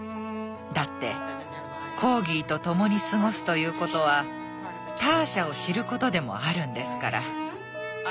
だってコーギーと共に過ごすということはターシャを知ることでもあるんですから。